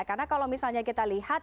karena kalau misalnya kita lihat